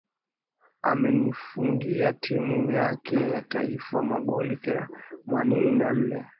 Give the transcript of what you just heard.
Ameifungia timu yake ya taifa magoli themanini na nne